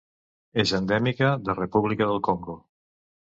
És endèmica de República del Congo.